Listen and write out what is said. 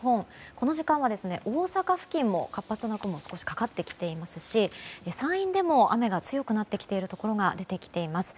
この時間は大阪付近も活発な雲が少しかかってきていますし山陰でも雨が強くなってきているところが出てきています。